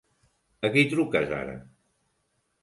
A qui truques ara?